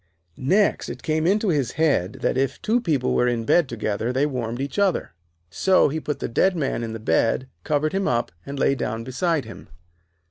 Next, it came into his head that if two people were in bed together, they warmed each other. So he put the dead man in the bed, covered him up, and lay down beside him.